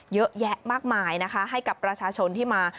เยอะแยะมากมายนะคะให้กับประชาชนที่มา